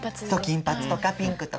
金髪とかピンクとか。